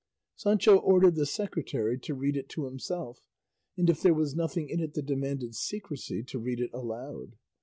Sancho ordered the secretary to read it to himself, and if there was nothing in it that demanded secrecy to read it aloud.